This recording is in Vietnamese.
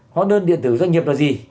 hóa đơn điện tử doanh nghiệp là gì